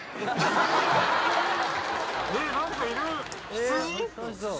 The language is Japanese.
羊？